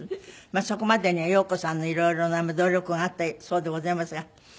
そこまでには陽子さんの色々な努力があったそうでございますが。